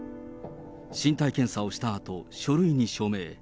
身体検査をしたあと、書類に署名。